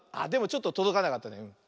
でもちょっととどかなかったね。